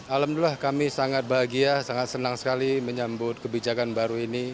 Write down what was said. alhamdulillah kami sangat bahagia sangat senang sekali menyambut kebijakan baru ini